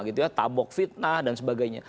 kabok fitnah dan sebagainya